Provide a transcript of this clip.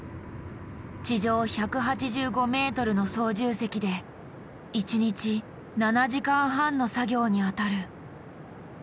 地上１８５ｍの操縦席で１日７時間半の作業に当たる。